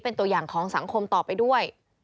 เป็นตัวอย่างของสังคมต่อไปด้วย